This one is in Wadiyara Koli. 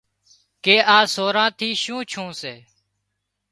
ڪي آ سوران ٿي شُون ڇُون سي